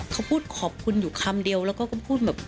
เขาพูดขอบคุณอยู่คำเดียวแล้วก็พูดแบบ